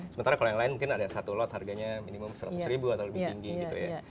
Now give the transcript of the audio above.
sementara kalau yang lain mungkin ada satu lot harganya minimum seratus ribu atau lebih tinggi gitu ya